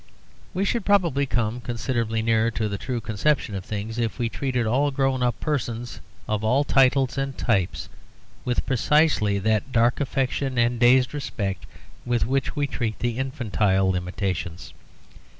We should probably come considerably nearer to the true conception of things if we treated all grown up persons, of all titles and types, with precisely that dark affection and dazed respect with which we treat the infantile limitations.